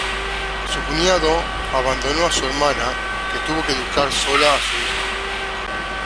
Su cuñado abandonó a su hermana, que tuvo que educar sola a su hijo.